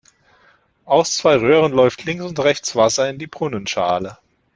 Aus zwei Röhren läuft links und rechts Wasser in die Brunnenschale.